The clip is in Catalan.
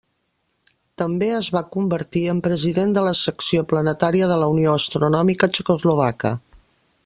També es va convertir en president de la secció planetària de la Unió Astronòmica Txecoslovaca.